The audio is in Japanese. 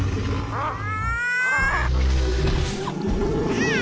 ああ！